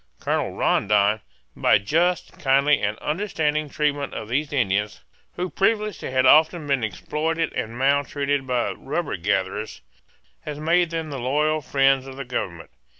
Colonel Rondon, by just, kindly, and understanding treatment of these Indians, who previously had often been exploited and maltreated by rubber gatherers, has made them the loyal friends of the government.